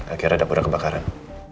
akhirnya dapurnya kebakaran